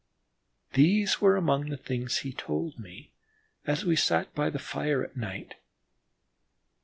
These were among the things he told me as we sat by the fire at night.